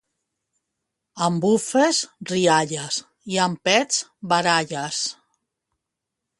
Amb bufes, rialles; i, amb pets, baralles.